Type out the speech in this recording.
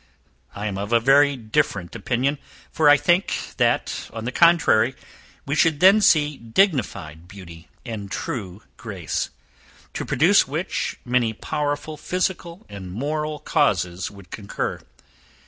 I am of a very different opinion, for I think, that, on the contrary, we should then see dignified beauty, and true grace; to produce which, many powerful physical and moral causes would concur.